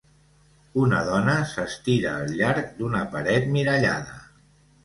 Una dona s'estira al llarg d'una paret mirallada.